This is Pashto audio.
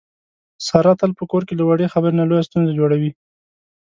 ساره تل په کور کې له وړې خبرې نه لویه ستونزه جوړي.